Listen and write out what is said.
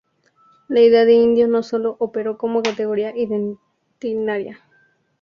La idea de indio no sólo operó como categoría identitaria.